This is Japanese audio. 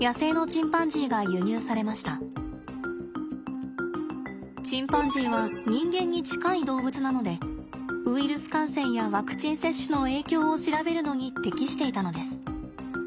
チンパンジーは人間に近い動物なのでウイルス感染やワクチン接種の影響を調べるのに適していたのです。